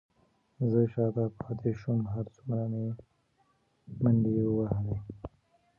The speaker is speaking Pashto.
زه شاته پاتې شوم، هر څومره مې منډې وهلې،